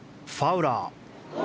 ファウラー。